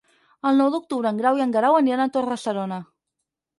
El nou d'octubre en Grau i en Guerau aniran a Torre-serona.